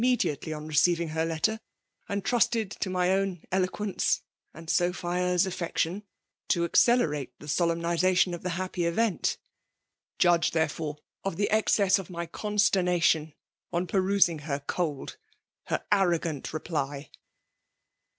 mediately on receiving hot letter, and trastcd to my own eloquence and Sophia's aflfefctiOB, to 'accelerate the solemnization of the happy event. Judge therefore, of the excess of my disappointment, of the excess of my constcr nation, on perusing her cold, her arrogant reply."